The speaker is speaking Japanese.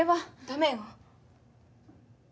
ダメよ。